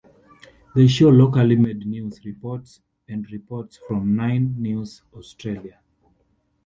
They show locally made news reports, and reports from Nine News Australia.